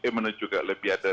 menuju juga lebih ada